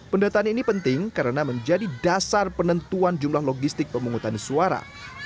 pendataan ini penting karena menjadi dasar penentuan jumlah logistik pemungutan suara